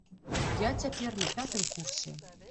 Я цяпер на пятым курсе.